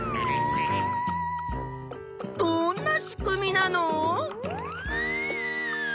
どんな仕組みなの？